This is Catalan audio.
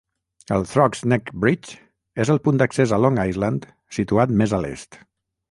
El Throgs Neck Bridge és el punt d'accés a Long Island situat més a l'est.